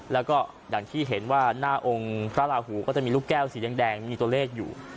แล้วก็อย่างที่เห็นว่าหน้าองค์พระราหูก็จะมีลูกแก้วสีแดงมีตัวเลขอยู่